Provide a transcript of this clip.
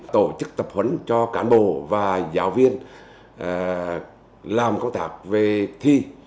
tổ chức tập huấn cho cản bộ và giáo viên làm câu tạc về thi